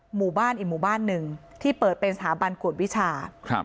หมู่บ้านอีกหมู่บ้านหนึ่งที่เปิดเป็นสถาบันกวดวิชาครับ